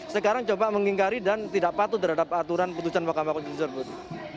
sekarang coba mengingkari dan tidak patuh terhadap aturan putusan mahkamah konstitusi tersebut